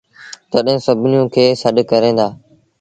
تڏهيݩ سڀنيوٚن کي سڏ ڪريݩ دآ